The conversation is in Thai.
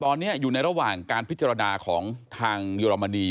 ตอนนี้อยู่ในระหว่างการพิจารณาของทางเยอรมนี